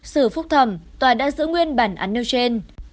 xử phúc thẩm tòa đã giữ nguyên bản án nêu trên